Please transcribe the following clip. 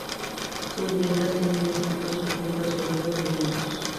Sus vendas tenían escritos fragmentos del Libro de los Muertos.